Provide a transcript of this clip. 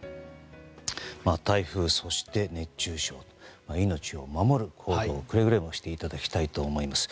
台風そして熱中症命を守る行動をくれぐれもしていただきたいと思います。